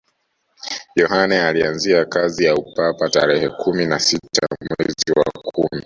yohane alianzia kazi ya upapa tarehe kumi na sita mwezi wa kumi